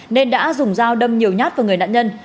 nên đã dùng dao đâm nhiều nhát vào người nạn nhân